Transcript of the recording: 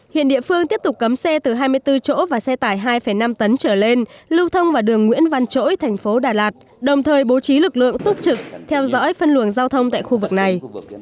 hiện địa phương tiếp tục cấm xe từ hai mươi bốn chỗ và xe tải hai năm tấn trở lên lưu thông vào đường nguyễn văn chỗi thành phố đà lạt đồng thời bố trí lực lượng túc trực theo dõi phân luồng giao thông tại khu vực này